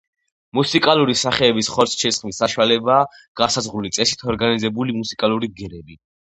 მუსიკალური სახეების ხორცშესხმის საშუალებაა განსაზღვრული წესით ორგანიზებული მუსიკალური ბგერები.